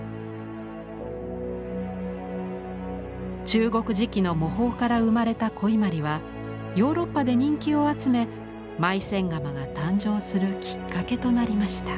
中国磁器の模倣から生まれた古伊万里はヨーロッパで人気を集めマイセン窯が誕生するきっかけとなりました。